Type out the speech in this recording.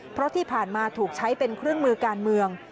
เพราะที่ผ่านมาถูกใช้เป็นเครื่องมือการเมือง